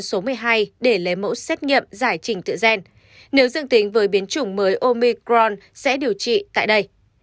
số một mươi hai để lấy mẫu xét nghiệm giải trình tự gen nếu dương tính với biến chủng mới omicron sẽ điều trị tại đây